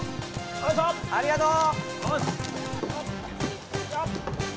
ありがとう！